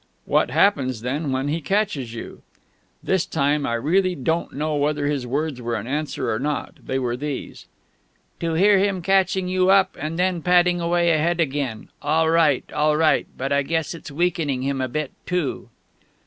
"What happens, then, when he catches you?" This time, I really don't know whether his words were an answer or not; they were these: "To hear him catching you up ... and then padding away ahead again! All right, all right ... but I guess it's weakening him a bit, too...."